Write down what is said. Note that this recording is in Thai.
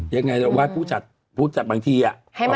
ยังไงต้องว่าวาดผู้จัดบางทีอะ